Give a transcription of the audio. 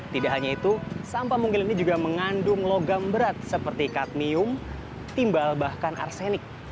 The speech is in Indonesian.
tidak hanya itu sampah mungil ini juga mengandung logam berat seperti kadmium timbal bahkan arsenik